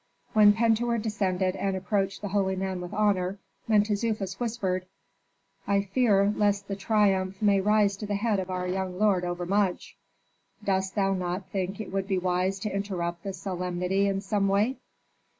When Pentuer descended and approached the holy man with honor, Mentezufis whispered, "I fear lest the triumph may rise to the head of our young lord over much. Dost thou not think it would be wise to interrupt the solemnity in some way?"